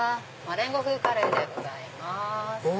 マレンゴ風カレーでございます。